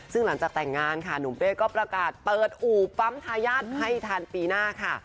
ซึ่งหลังจากแต่งงานค่ะหนุ่มเป้ก็ประกาศเปิดอู่ปั๊มทายาทให้ทันปีหน้าค่ะ